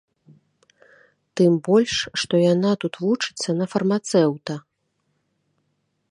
Тым больш што яна тут вучыцца на фармацэўта.